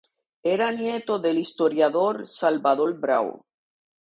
Era nieto del historiador Salvador Brau.